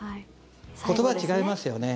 言葉違いますよね。